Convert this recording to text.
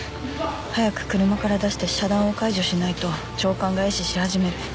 早く車から出して遮断を解除しないと腸管が壊死し始める。